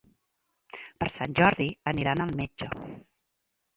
Per Sant Jordi aniran al metge.